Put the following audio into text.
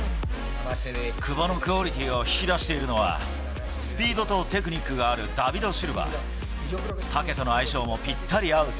久保のクオリティーを引き出しているのは、スピードとテクニックがあるダビド・シルバ。